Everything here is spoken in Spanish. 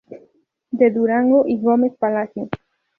De Durango y Gómez Palacio.